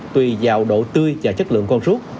tùy vào độ tươi và chất lượng con rút